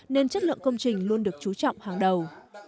nên chất lượng công trình luôn được chú trọng hàng đầu